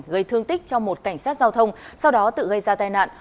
gây thương tích cho một cảnh sát giao thông sau đó tự gây ra tai nạn